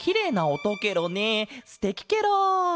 すてきケロ。